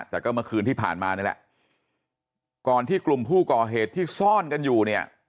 แต่ก็เมื่อคืนที่ผ่านมานี่แหละก่อนที่กลุ่มผู้ก่อเหตุที่ซ่อนกันอยู่เนี่ย